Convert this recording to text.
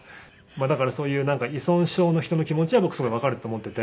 だからそういう依存症の人の気持ちは僕すごいわかるって思ってて。